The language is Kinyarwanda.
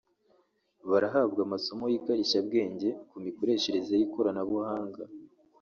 barahabwa amasomo y’ikarishyabwenge ku mikoreshereze y’ikoranabuhanga